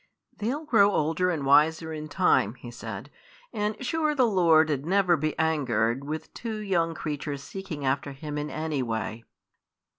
"They 'll grow older and wiser in time," he said; "and sure the Lord 'ud never be angered wi' two young creatures seeking after Him in any way!"